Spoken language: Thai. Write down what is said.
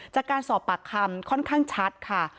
จากการสอบปากคำค่อนข้างชัดค่ะ